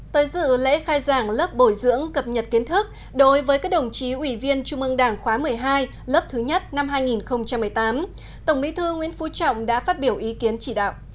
tới dự lễ khai giảng lớp bồi dưỡng cập nhật kiến thức đối với các đồng chí ủy viên trung ương đảng khóa một mươi hai lớp thứ nhất năm hai nghìn một mươi tám tổng bí thư nguyễn phú trọng đã phát biểu ý kiến chỉ đạo